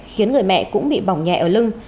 khiến người mẹ cũng bị bỏng nhẹ ở lưng